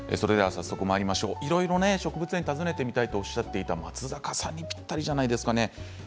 いろいろ植物園訪ねてみたいとおっしゃっていた松坂さんにぴったりじゃないですかね。